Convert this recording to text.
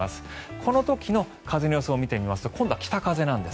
この時の風の予想を見てみますと今度は北風なんです。